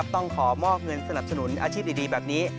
ต้องขอมอบเงินสนับสนุนอาชีพดีแบบนี้